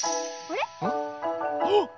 あっ！